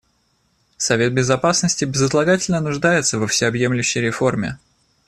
Совет Безопасности безотлагательно нуждается во всеобъемлющей реформе.